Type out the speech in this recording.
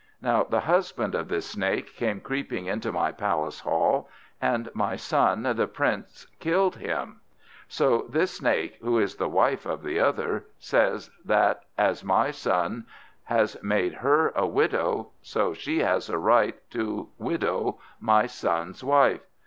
Now, the husband of this Snake came creeping into my palace hall, and my son the Prince killed him; so this Snake, who is the wife of the other, says that as my son has made her a widow, so she has a right to widow my son's wife.